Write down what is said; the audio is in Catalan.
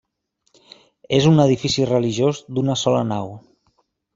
És un edifici religiós d'una sola nau.